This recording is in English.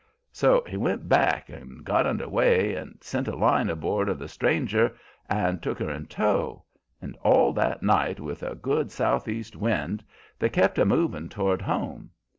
So he went back and got under weigh, and sent a line aboard of the stranger and took her in tow, and all that night with a good southeast wind they kept a movin' toward home.